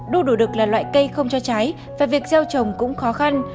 đu đủ đực là loại cây không cho trái và việc gieo trồng cũng khó khăn